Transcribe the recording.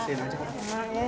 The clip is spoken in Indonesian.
masih bakal jangan cemburan ya